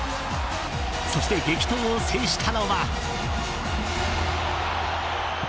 そして激闘を制したのは。